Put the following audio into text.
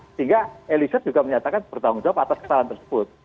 sehingga eliezer juga menyatakan bertanggung jawab atas kesalahan tersebut